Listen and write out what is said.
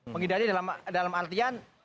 menghindari dalam artian